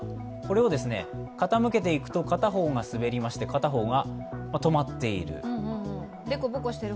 傾けていくと、片方が滑りまして片方が止まっている。